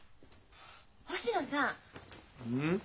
星野さん。